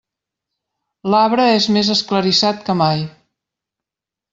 L'arbre és més esclarissat que mai.